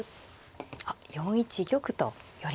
あっ４一玉と寄りました。